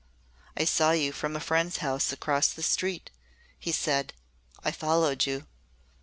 "I saw you from a friend's house across the street," he said. "I followed you."